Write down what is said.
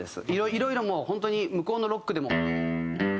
いろいろもう本当に向こうのロックでも。